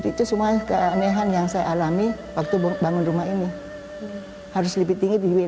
itu semua keanehan yang saya alami waktu bangun rumah ini harus lebih tinggi dibanding